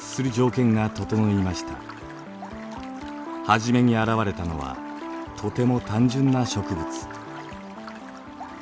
はじめに現れたのはとても単純な植物。